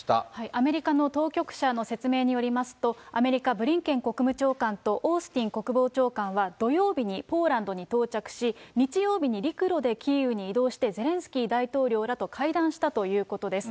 アメリカの当局者の説明によりますと、アメリカ、ブリンケン国務長官と、オースティン国防長官は土曜日にポーランドに到着し、日曜日に陸路でキーウに移動して、ゼレンスキー大統領らと会談したということです。